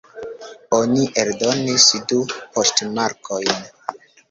Oni eldonis du poŝtmarkojn.